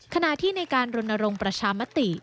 ขณะที่ในการรณรงค์ประชามติ